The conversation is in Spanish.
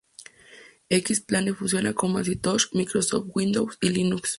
X-Plane funciona con Macintosh, Microsoft Windows, y Linux.